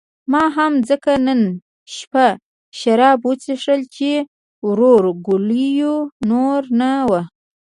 ما هم ځکه نن شپه شراب وڅښل چې ورورګلوي نوره نه وه.